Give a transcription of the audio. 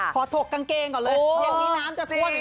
ขอถกกางเกงก่อนเลยอย่างนี้น้ำจะทวดเห็นไหม